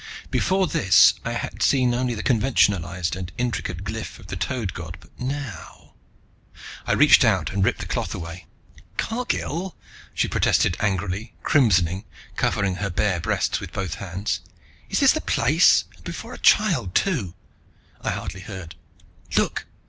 Before this I had seen only the conventionalized and intricate glyph of the Toad God. But now I reached out and ripped the cloth away. "Cargill!" she protested angrily, crimsoning, covering her bare breasts with both hands. "Is this the place? And before a child, too!" I hardly heard. "Look!"